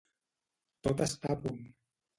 Tot està a punt.